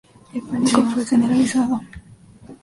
El pánico fue generalizado